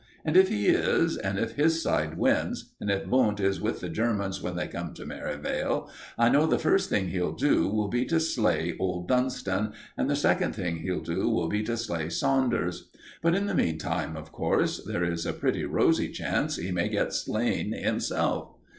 And if he is, and if his side wins, and if Wundt is with the Germans when they come to Merivale, I know the first thing he'll do will be to slay old Dunston, and the second thing he'll do will be to slay Saunders. But in the meantime, of course, there is a pretty rosy chance he may get slain himself.